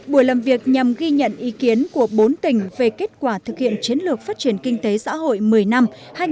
buổi làm việc nhằm ghi nhận ý kiến của bốn tỉnh về kết quả thực hiện chiến lược phát triển kinh tế xã hội một mươi năm hai nghìn một mươi một hai nghìn hai mươi